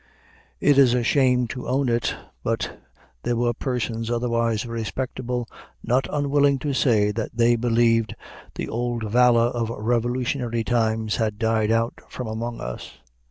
It is a shame to own it, but there were persons otherwise respectable not unwilling to say that they believed the old valor of Revolutionary times had died out from among us.